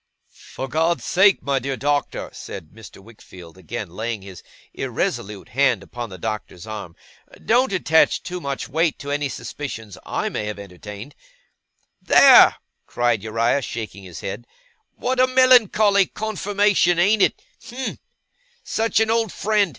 'For God's sake, my dear Doctor,' said Mr. Wickfield again laying his irresolute hand upon the Doctor's arm, 'don't attach too much weight to any suspicions I may have entertained.' 'There!' cried Uriah, shaking his head. 'What a melancholy confirmation: ain't it? Him! Such an old friend!